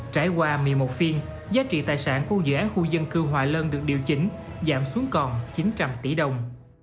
trải qua một mươi một phiên giá trị tài sản của dự án khu dân cư hòa lân được điều chỉnh giảm xuống còn chín trăm linh tỷ đồng